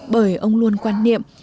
bởi ông luôn quan niệm